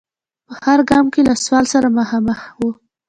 په هر ګام کې له سوال سره مخامخ و.